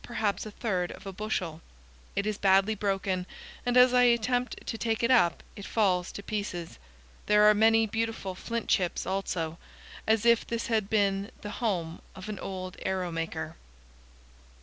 267 perhaps a third of a bushel. It is badly broken, and as I attempt to take it up it falls to pieces. There are many beautiful flint chips, also, as if this had been the home of an old arrow maker.